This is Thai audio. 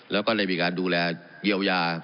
แล้วก็เลยมีการดูแลเยียวยา